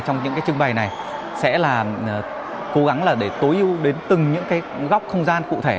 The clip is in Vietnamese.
trong những cái trưng bày này sẽ là cố gắng là để tối ưu đến từng những cái góc không gian cụ thể